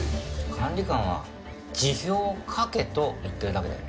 管理官は「辞表を書け」と言ってるだけだよ。